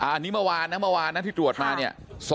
อันนี้เมื่อวานนะเมื่อวานนะที่ตรวจมาเนี่ย